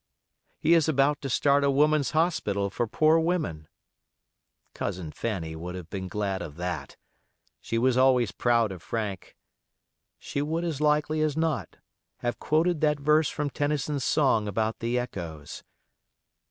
He is about to start a woman's hospital for poor women. Cousin Fanny would have been glad of that; she was always proud of Frank. She would as likely as not have quoted that verse from Tennyson's song about the echoes.